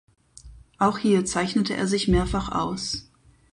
Auch hier zeichnete er sich mehrfach aus.